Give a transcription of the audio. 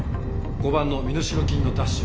５番の身代金の奪取。